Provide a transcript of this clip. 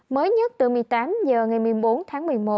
mới nhất từ một mươi tám h ngày một mươi bốn tháng một mươi một